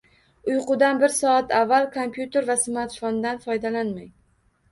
Uyqudan bir soat avval kompyuter va smartfondan foydalanmang